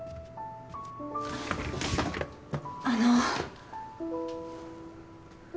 あの